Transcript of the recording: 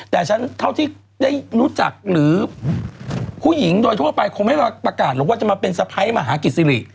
แต่ฉันเท่าที่ได้รู้จักหรือผู้หญิงโดยทั่วไปคงไม่มาประกาศหรอกว่าจะมาเป็นสะพ้ายมหากิจสิริ